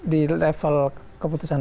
di level keputusan